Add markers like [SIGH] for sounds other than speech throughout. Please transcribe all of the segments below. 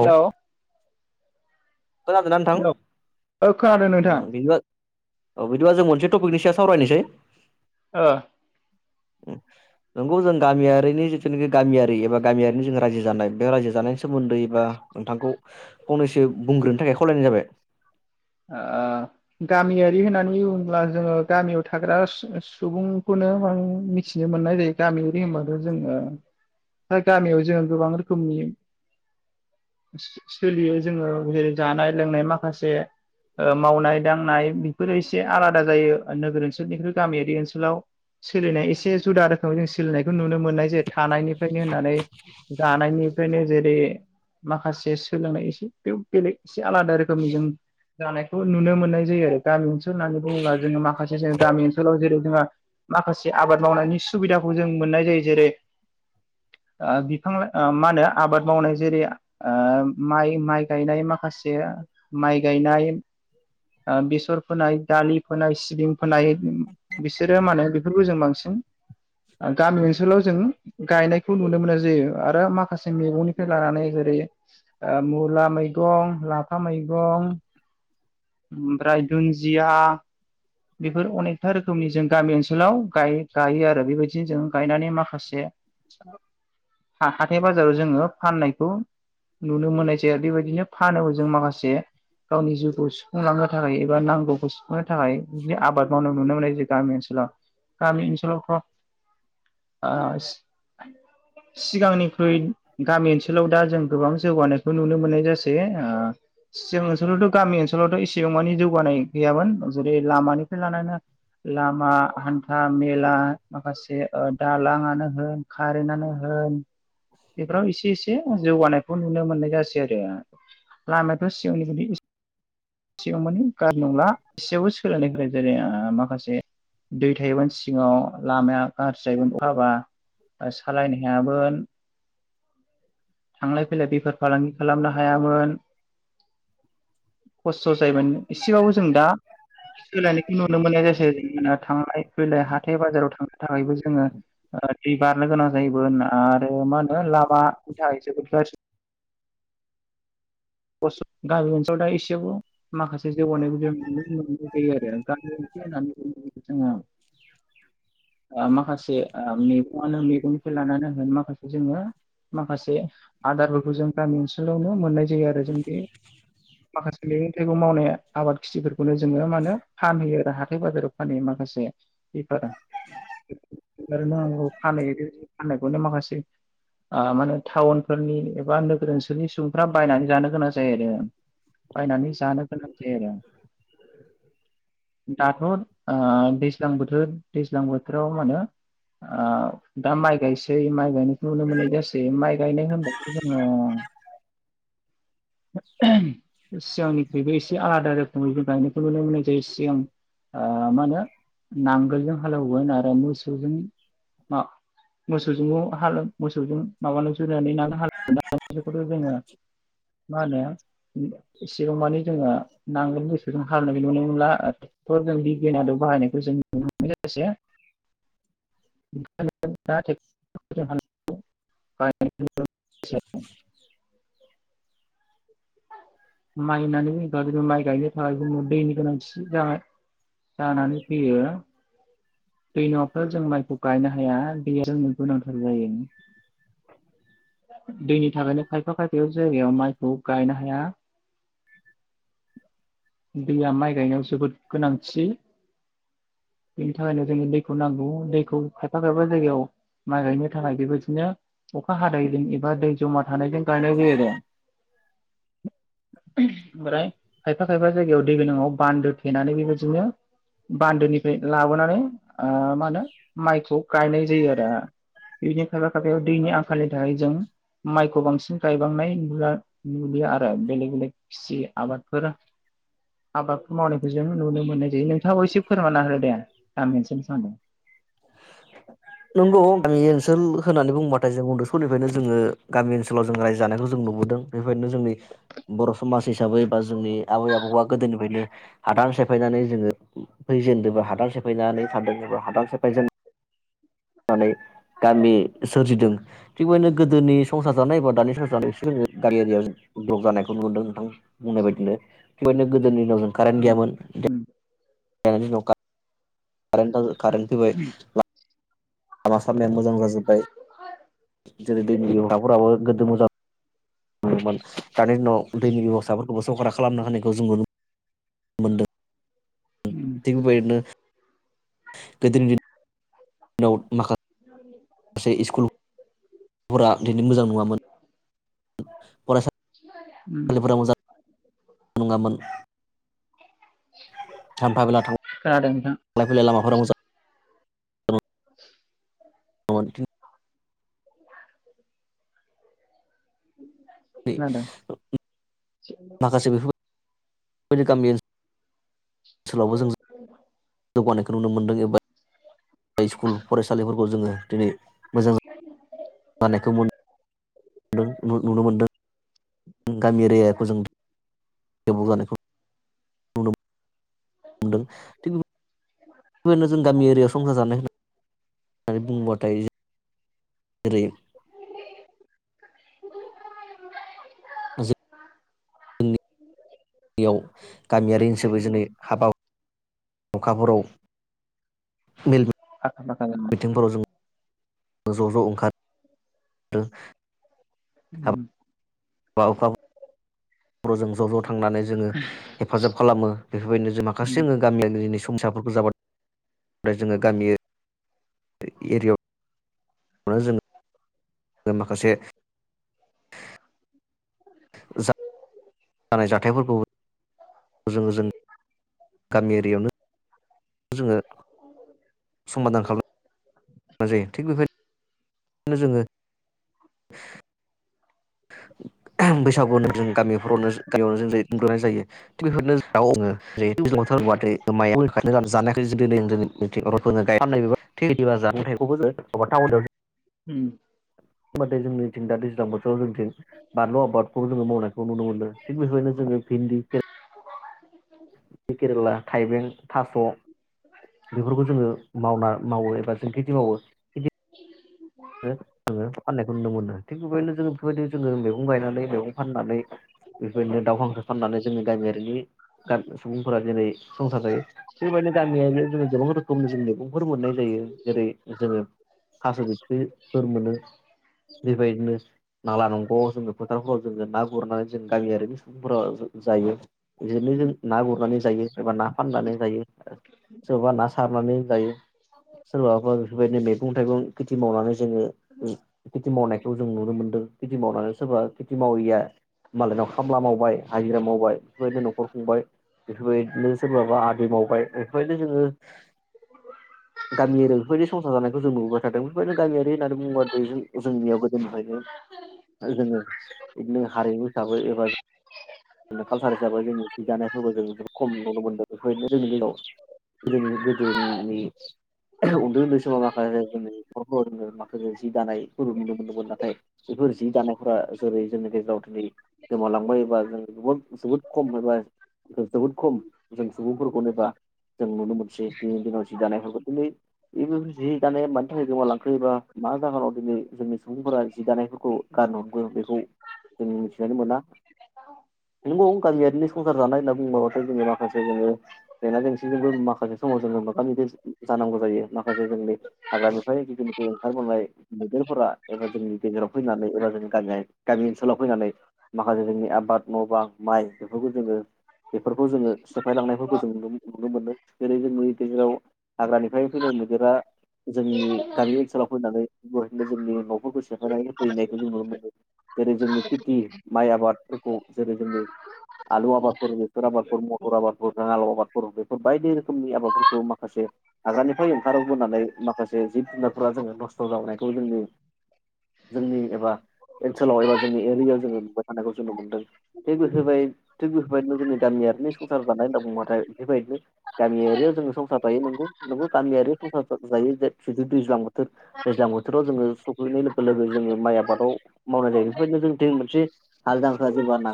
Hello खोनादों ना नोंथां? औ खोनादों नोंथां उम बिदिबा औ बिदिब्ला जों मोनसे टपिकनि सायाव सावरायनोसै। ओ नोंगौ जों गामियारिनि जिथुनाखि गामियारि एबा गामियारिनि जों रायजो जानाय बे रायजो जानायनि सोमोन्दै एबा नोंथांखौ फंनैसो बुंग्रोनो थाखाय खावलायनाय जाबाय। ओ गामियारि होननानै बुङोब्ला जोङो गामियाव थाग्रा सुबुंखौनो आ मिथिनो मोननाय जायो। गामियारि होनबाथ' जोङो दा गामियाव जोङो गोबां रोखोमनि सोलियो जोङो जेरै- जानाय लोंनाय माखासे ओ मावनाय-दांनाय बेफोरो एसे आलादा जायो ओ नोगोर ओनसोलनिख्रुइ गामियारि ओनसोलाव सोलिनाय एसे जुदा रोखोम जों सोलिनायखौ नुनो मोननाय जेरै- थानायनिफ्रायनो होननानै जानायनिफ्रायनो जेरै माखासे सोलोंनाय एसे बेलेग एसे आलादा रोखोमनि जों जानायखौ नुनो मोननाय जायो आरो। गामि ओनसोल होननानै बुङोब्ला जोङो माखासे जों गामि ओनसोलाव जेरै जोंहा माखासे आबाद मावनायनि सुबिदाखौ जों मोननाय जायो। जेरै- ओ बिफां-लाइ मा होनो आबाद मावनाय जेरै- माइ-माइ गायनाय माखासे माइ गायनाय ओ बेसर फोनाय, दालि फोनाय, सिबिं फोनाय बिसोरो मा होनो बेफोरखौ जों बांसिन गामि ओनसोलाव जों गायनायखौ नुनो मोनो जायो। आरो माखासे मैगंनिफ्राय लानानै जेरै-मुला मैगं, लाफा मैगं ओमफ्राय दुन्जिया बेफोर अनेखथा रोखोमनि जों गामि ओनसोलाव गाय-गायो आरो। बेबायदिनो जों गायनानै माखासे हाथाय-बाजाराव जोङो फाननायखौ नुनो मोननाय जायो। बेबायदिनो फानोबो जों माखासे गावनि जिउखौ सुफुंलांनो थाखाय एबा नांगौखौ सुफुंनो थाखाय। बि आबाद मावनाय नुनो मोननाय गामि ओनसोलाव, गामि ओनसोलावथ' ओ सि- सिगांनिख्रुइ गामि ओनसोलाव दा जों गोबां जौगानायखौ नुनो मोननाय जा सौ ओ जों ओनसोलावथ' गामि ओनसोलावथ' एसेबां मानि जौगानाय गैयामोन। अ बे लामानिफ्राय लानानैानानै लामा हान्था मेला माखासे ओ दालाङानो होन खारेन्टानो होन बेफोराव एसे एसे एसे जौगानायखौ नुनो मोननाय जासै आरो लामायाथ' सिगांनिबायदि एसे सिगां मानि गाज्रि नंला एसेयावबो सोलायनाय जेरै माखासे दै थायोमोन सिगाव लामाया गाज्रि जायोन अखा हाबा सालायनो हायाबोन थांलाय फैलाय बेफार फालांगि खालामनो हायामोन खस्थ' जायोमोन एसेबाबो जों दा सोलायनायखौ नुनो मोननाय जसै थांलाय फैलाय हाथाय बाजाराव थांनो थाखायबो जोङो दै बारनो गोनां जायोमोन आरो मा होनो लामा बेनि थाखाय जोबोद गार्जि उसुख गामि ओनसोलाव दा एसेयावबो माखासे जौगानायखौ जों नुनो मोननाय जायो आरो गामि ओनसोल होननानै बु्ला जोङो माखासे मैगनो मेगंनिफ्राय लानानै होन माखासे जोङो माखासे आदारफोरखौ जों गामि ओनसोलावनो मोननाय जायो आरो जों बे माखासे मैगं- थाइगं मावनाय आबाद खेथिफोरखौनो जोङो माहोनो फानहैयो आरो हाथाय बाजाराव फानयो माखासे बेफारा फखौनो माखासे टाउन फोरनि एबा नोगोर ओनसोलनि सुबुंफ्रा बायनानै जानो गोनां जायो आरो बायनानै जानो गोनां जायो आरो दाथ' ओ दैज्लां बोथोर दैज्लां बोथोराव मा होनो ओ दा माइ गायसै माइ गायनायखौ नुनो मोननाय जासै माइ गायनाय होनबथ' जोङो [UNINTELLIGIBLE] सिगांनिफ्रायइबो एसे आलादा रोखोमै गायनायखौ नुनो मोननाय जायो सिगां आ नांगोलजों हालेवो आरो मोसौजों मोसौजों हाल मोसौजों माबान जुरिनानै न हालवोनखौथ' जोङो मा होनो एसेबां माने जोङो नांगोल मीसौजों हालैनायखौ नुनो मोनला ट्रेक्टर जों बिगनाद बाहायनायखौ जों नुनोनाय [UNINTELLIGIBLE] माइ होननानै जोनो माइ गायनो थाखाय जोंनो दैनि गोनांथि जानाय जानानै फैयो। दै नंयाब्ला जों माइखौ गायनो हाया दैया जोंनो गोनांथार जायो। दैनि थाखायनो खायफा खायफा सोब जायगायाव माइखौ गायनो हा हाया [INAUDIBLE] दैया माइ गायनायाव जोबोद गोनांथि बेनि थाखायनो जोंनो दैखौ नांगौ दैखौ खायफा खायफा जायगायाव माइ गायनो थाखाय बेबायिदनो अखा हादाय [INAUDIBLE] जमा थानायजों गायनाय जायो आरो [INAUDIBLE] ओमफ्राय खायफा खायफा जायगायाव दै गोनां बान्दो थेनानै बेबायदिनो बान्दोनिफ्राय लाबोनानै मा होनो माइखौ गायनाय जायो आरो बिदि खायफा खायफायाव दैनि आंखालनि नाथाय जों माइखौ बांसिन गायबांनाय होनब्ला नुुलियो आरो बेलेग बेलेग खिसि आबादफोर आबाद मावनायखौजों नुनो मोननाय जायो नोंथाङाबो एसे फोरमानना हो दे गामसो सानदों नोंगौ सोल होन बुंबाथाय जों उन्दु समनिफ्रायनो जों गामि ओनसोलाव जोंया जानायखौ जों नुबोदों बेबायदिनो जोंनि बर' समाज हिसाबै बा जों जोंनि आबै -आबौआ गोदोनिफ्रायनो हादान सिफायनानै जोङो फैजेनदोंबो हादान सेफायनानै थान्दो एबा हादान सेफायजेन। नानै गामि सोरजिदों थिगबायदिनो गोदोनि संसार जानाय एबा दानि संसार जानाय एस जोङो गामियारियाव दग जानायखौ नुदों नोंथां बुंनाय बायदिनो थिगदिनो गोद गोदोनि दिनाव जों कारेन्ट गैयामोन। उम कारेन्टनि उनाव [UNINTELLIGIBLE] कारेन्ट कारेन्ट फैबाय। लामा आसामनाया मोजां जाजो ओमफाय जेरै दैनि [UNINTELLIGIBLE] [UNINTELLIGIBLE] मोनदोंमोन दानि दिनाव दैनि बेब'स्थाफोरखौबो सरकारा खालामनो होनानायखौ जोङो नुनो मोनदों। उम [UNINTELLIGIBLE] गोदोनि दिन-दिनाव। माखासे माखासे स्कुलफोरा बिदिनो मोजां नङामोन। उम फरायसालिफोरा मोजां नङामोन। थामफा बेला थां खोनादों नोंथां थांल फैलाय लामाफोराव। [UNINTELLIGIBLE] बे खोनादों माखासे बेफोर। गामि ओनसो ओनसोलावबो जों। जौगानायखौ नुनो मोन्दों एबा। स्कुल फरायसालिफोरखौ जोङो दिनै मोजां जा नायखौ मो न नु नुनो मोनदों। जों गामिरियाखौ जों। गोबाव जानायखौ नुनो मोनदों थिग बेब बोनो जों गामि एरियायाव संसार जानाय होननै होननानै बुंबा। दायो एरै। जों नि याव गामियारि हिनसाबै जोंनि हाबा हुखाफोराव। मेल आखा फाखा [UNINTELLIGIBLE] मिथिंफोराव जों ज' ज' ओंखारदों। उम। बाफ्राव। बर' जों ज' ज' थांनानै जोङो हेफाजाब खालामो बेफोरबायदिनो जों उम माखासे जोङो गामियारि संसाफोरखौ जाब जोङो गामि। एरियाव। जों माखासे। जानाय जाथायफोरखौ जों जों गामि एरियायावनो जोङो समादान खालामनाय जायो थिग बेबायनो बेनो जोङो बैसागुनो जों गामिफोरावनो गामियावनो जों उन्दुनाय जायो थि बेफोरनो दाव आङो थार म [INAUDIBLE] जानाय जुदि [UNINTELLIGIBLE] नो गायनाय थैदिबा जथाइखौबो [UNINTELLIGIBLE] उम माथे जोंनिथिं दा दैज्लां ज जोंथिं बानलु आबादखौ जोङो मावनायखौ नुनो मोनो थिग बेबायनो जोङो भिन्दिी खेरला थाइबें थास' बेफोरखौ जोङो मावना मावो एबा जों खेथि मावो जोङो फाननायखौ नुनो मोनो थिग बेबायदिनो जोङो बेफोरबायदिनो जोङो मैगं गायनानै मैगं फाननानै बेबायदिनो दाव हांखो फाननानै जोंनि गामियारिनि सुबुंफोरा दिनै संसार जायो बेबाजदि गामियारि जोङ गोबां रोखोमनि जों मैगंफोर मोननाय जायो जेरै जोङो थास' बेफोर मोनो बेबायदिनो नाला नंग'आव जोङो फोथारफोराव जोङो ना गुरनानै जों गामियारिनि सुबुंफोरा जायो बिदिनो जों उम ना गुरनानै जायो सोरबा ना फाननानै जायो सोरबा ना सारनानै जायो सोरबाबा बेफोरबायदि मैगं थाइगं मावनानै जोङो खेथि मावनायखौ जों नुनो मोन्दों खेथि मावनानै सोरबा काति मावैया मालायनाव खामला मावबाय हाजिरा मावबाय बेफोरबायदिनो न'खर खुंबाय बेफोरबायदिनो सोरबाबा आदि मावबाय बेफोरबायदिनो जोङो गामियारि बेफोरबायदि संसार जानायखौ जों नुुबाय थादों। बेनो गामियारि होननानै बुङोबा जोंनियाव गोदोनिफ्रायनो जों इदिनो हारिमु हिसाबै एबा ज कालसार हिसाबै जोंनि जि दानायफोरबो जों खम नुनो मोनदों बेफोरदिनो जोंनि दिनाव जोंनि गोदोनि उन्दै उन्दै समाव माखासे जोंनि नरफोर जोङो माखासे जि दानायफोर नुनो मोनदोंमोन नाथाय बेफोर जि दानायफोरा जेरै जोंनि गेजेराव दिनै गोमालांबाय एबा जों [INAUDIBLE] जोबोद जोबोद खम एबा जोबोद खम जों सुबुंफोरखौनो दा जों नुनो मोनसै दिनैनि दिनाव जि दानायफोरखौ दिनै उइभिं उइभिं जि दानाया मानि थाखाय गोमालांखो एबा मा जाहोनाव दिनै जोंनि सुबुंफोरा जि दानायफोरखौ गारनो हमखो बेखौ जों मिथिनानै मोना नंगौ गामियारि संसार जानाय होनना बुंबाब्लाथाय जोंनि माखासे जोङो जेंना जेंसिजोंबो माखासे समाव जोङो मोगा मोगि जानांगौ जायो माखासे जोंनि हाग्राानिफ्रायानि जिथुनेखि ओंखारबोननाय मैदेरफोरा एबा जोंनि गेजेराव फैनानै एबा जोंनि गामि गामि ओनसोलाव फैनानै माखासे जोंनि आबाद न' बां माइ बेफोरखौ जोङो बेफोरखौ जोङो सेफायलांनायफोरखौ जों नुनो नुनो मोनो। जेरै जोंनि गेजेराव हाग्रानिफ्राय फैनाय मैदेरा जोंनि गामि ओनसोलाव फैनानै बेनो जोंनि न'फोरखौ सेफायनानै हैनायखौ जों नुनो मोनो जेरै जोंनि खेथि माइ आबादफोरखौ [INAUDIBLE] जेरै जोंनि आलु आबादफोर, बेसर आबादफोर, मटर आबादफोरजों आलु आबादफोर बेफोर बायदि रोखोमनि आबादफोरखौ माखासे हाग्रानिफ्राय ओंखारबोनानै माखासे जिब-जुनारफोरा जों नस्थ ' जाबोनायखौ जों जोंनि एबा ओनसोलाव एरियायाव जों नुबाय थानायखौ जों मोन्दों थिग बेफोरबाय थिग बेफोरबायदिनो जोंनि गामियारिनि संसार जानाय होन बुंबाथाय बेफोरबायदिनो गामियारियाव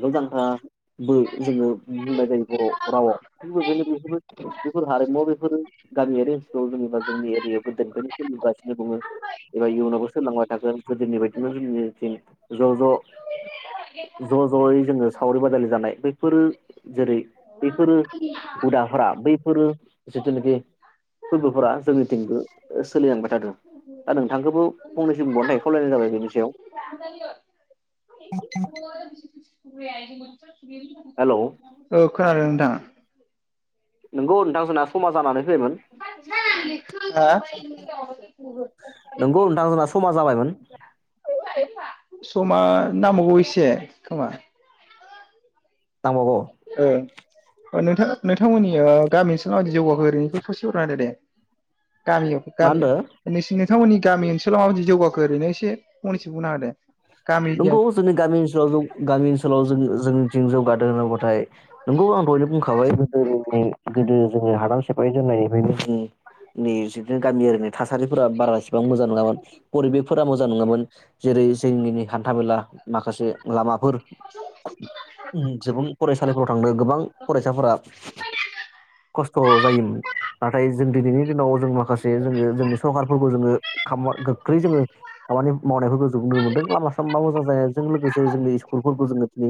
मोदांखाबो जोङो बुंनाय जायो बर' रावाव थिग बेखनो बेफोरो बेफोर हारिमुवाव बेफोरो गामियारि ओनसोलाव जबा जोंनि एरियायाव गोदोनिफ्रायनो नुगासिनो बुङो [INAUDIBLE] एबा इयुनावबो सोललांबाय थागोन गोदोनि बायदिमोन ज ज' ज' ज' ज'यै जोङो सावरि बादालि जानाय बेफोरो जेरै बेफोरो हुदा हरा बै फोरो जिथुनाखि फोरबोफोरा जोंनिथिंबो सोलिलांबाय थादों दा नोंथांखौबो फंनैसो बिजिरनो थाखाय खावलायनाय जाबाय बेनि सायाव [UNINTELLIGIBLE] [UNINTELLIGIBLE] हेलौ औ खोनादों नोंथां? नोंगौ नोंथां जोंना समा जानानै फैयबायमोन। नोंगौ नोंथां जोंना [UNINTELLIGIBLE] समा जाबायमोन समा नांबावगौ एसे खोमा दांबावगौ ओ नोंथाङा नोंथांमोननि ओ गामिनि ओनसोलाव माबादि जौगाखो एरैनो ससे [UNINTELLIGIBLE] दे गामियाव मा गामि होनदो नोंसिनि नोंथांमोननि गामि ओनसोलाव माबायदि जौगाखो ओरैनो एसे फंनैसो बुंना हो दो नोंगौ जोंनि गामि ओनसोलाव जों गामि ओनसोलाव जों जों जों जौगादों होनोबाथाय नोंगौ आं दहायनो बुं [UNINTELLIGIBLE] गोदो जोंनि हादाम सेब बे दोन्नाय बेनि जोंनि निस बेसोरथ' गामियारिनि थासारिफोरा बारासिन बां मोजां नङामोन परिबेकफोरा मोजां नङामोन। जेरै जोंगिनि हान्था मेला माखासे लामा फोर उम जोबां फरायसालिफोराव थांदों गोबां फरायसाफोरा खस्थ' जायोमोन नाथाय जों दिनैनि दिनाव जों माखासे जोङो जोंनि सरखारफोरखौ जोङो खाम मुवा गोख्रै जोङो आमानि मावनायफोरखौ जों नुनो मोनदों लामलास हाम मावजाजायजों लोगोसे जोंनि स्कुलफोरखौ जोङो दि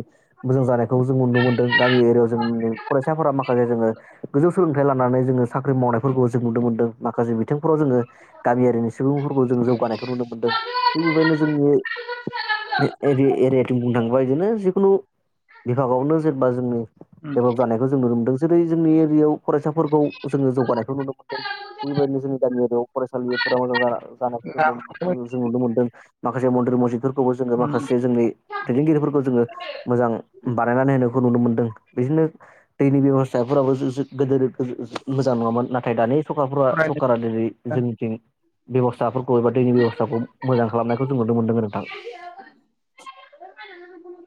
मोजां जानायखौ जों नुनो मोनदों गामि एरियाव जों दि फरायसाफोरा माखासे जोङो गोजौ सोलोंथाइ लानानै जोङो साख्रि मावनायफोरखौ जों नुनो मोनदों माखासे बिथिंफोराव जोङो गामियारिनि सुबुंफोरखौ जों जौगानायखौ नुनो मोन्दों थिग बेबायदिनो जोंनि ए एरि एरियाथिं बुंनांगौ बायदियानो जिखुनु बिभागावनो जेनेबा जोंनि उम देभलप जानायखौ जों नुनो मोनदोंस जेरै जोंनि एरियाव फरायसाफोरखौ जोङो जौगानायखौ नुनो मोन्दों बेबायदिनो जोंनि गामि एरियाव फरायसालिफोरा मोजां जाना जानायफोरखौ औ जों नुनो मोनदों। माखासे मन्दिर मजिद खौबो जोङो माखासे जोंनि दैदेनगिरिफोरखौ जोङो मोजां बानायनानै होनायखौ नुनो मोनदों बिदिनो दैनि बेबस्थाफोराबो जोजो गोदोर जो जो मोजां नङामोन नाथाय दानि सरखारफोरा सरकारा दिनै उम जोंनिथिं बेबस्थाफोरख गबेबा दैनि बेबस्थाखौ मोजां खालामनायखौ जों नुनो मोनदों नोंथां। [UNINTELLIGIBLE]